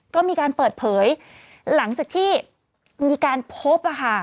ก็มีการเปิดเผยหลังจากที่มีการพบ